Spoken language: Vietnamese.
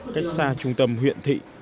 cách xa trung tâm huyện thị